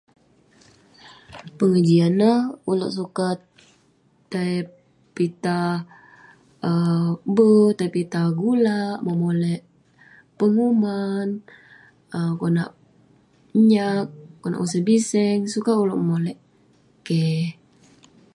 Pengejian neh, ulouk sukat tei pitah um be, tei pitak gulak, memolek penguman, um konak nyak, usen biseng. Sukat ulouk memolek. Keh.